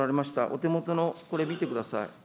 お手元のこれ見てください。